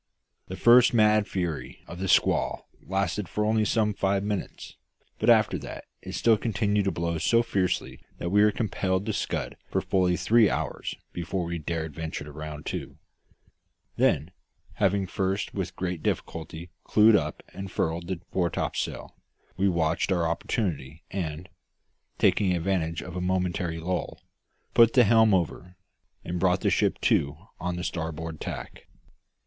The first mad fury of the squall lasted for only some five minutes; but after that it still continued to blow so fiercely that we were compelled to scud for fully three hours before we dared venture to round to. Then, having first with great difficulty clewed up and furled the fore topsail, we watched our opportunity and, taking advantage of a momentary lull, put the helm over, and brought the ship to on the starboard tack.